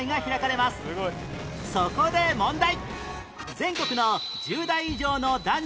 そこで問題